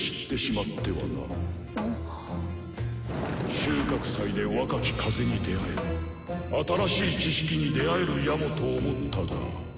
収穫祭で若き風に出会えば新しい知識に出会えるやもと思ったが。